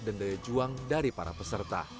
dan daya juang dari para peserta